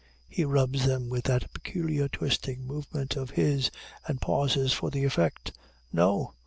He rubs them with that peculiar twisting movement of his, and pauses for the effect. No!